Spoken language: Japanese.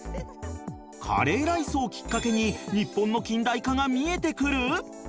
カレーライスをきっかけに日本の近代化が見えてくる？